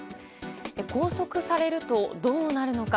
拘束されると、どうなるのか。